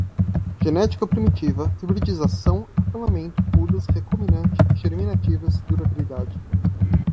genética primitiva, hibridização, acamamento, mudas, recombinante, germinativas, durabilidade